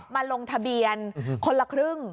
มาลงทะเบียนคนละครึ่ง